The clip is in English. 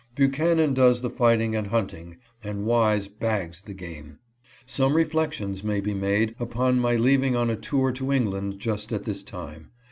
Buchanan does the fighting and hunting, and Wise " bags the game. Some reflec tions may be made upon my leaving on a tour to England just at this time.